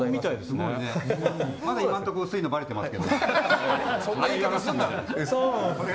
今のところ薄いのばれてますけどね。